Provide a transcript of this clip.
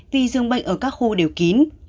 vì dường bệnh ở các khu đều kín